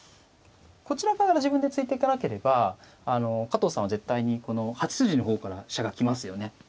こちら側から自分で突いていかなければ加藤さんは絶対に８筋の方から飛車が来ますよね。